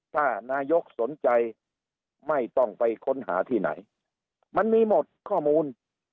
ถ้านายกสนใจไม่ต้องไปค้นหาที่ไหนมันมีหมดข้อมูล